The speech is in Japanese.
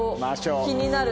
気になる。